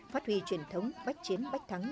phát huy truyền thống bách chiến bách thắng